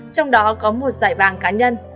trong đó có một giải bàng cá nhân